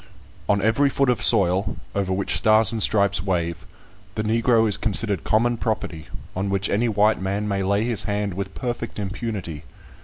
On every foot of soil, over which Stars and Stripes wave, the Negro is considered common property, on which any white man may lay his hand with perfect impunity.